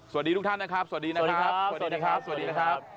สวัสดีทุกท่านนะครับสวัสดีครับสวัสดีครับสวัสดีครับสวัสดีครับ